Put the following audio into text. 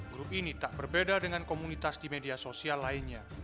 grup ini tak berbeda dengan komunitas di media sosial lainnya